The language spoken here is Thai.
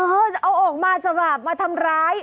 จะเอาออกมาจะแบบมาทำร้าย